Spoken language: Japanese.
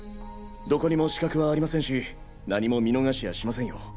どこにも死角はありませんし何も見逃しやしませんよ。